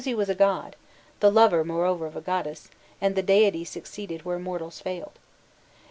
Dumuzi was a god, the lover, moreover, of a goddess, and the deity succeeded where mortals failed.